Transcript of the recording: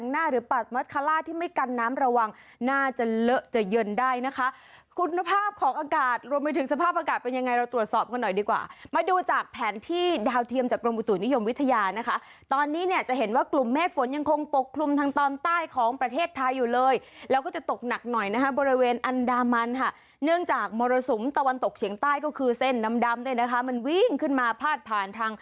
ไม่กันน้ำระวังน่าจะเลอะจะเย็นได้นะคะคุณภาพของอากาศรวมไปถึงสภาพอากาศเป็นยังไงเราตรวจสอบกันหน่อยดีกว่ามาดูจากแผนที่ดาวเทียมจากกรมอุตุนิยมวิทยานะคะตอนนี้เนี่ยจะเห็นว่ากลุ่มเมฆฝนยังคงปกคลุมทางตอนใต้ของประเทศไทยอยู่เลยแล้วก็จะตกหนักหน่อยนะคะบริเวณอันดามันค่ะเนื่องจากมรสุมตะวันตกเฉียงใต้ก็คือเส้นดำดำเนี่ยนะคะมันวิ่งขึ้นมาพาดผ่านทาง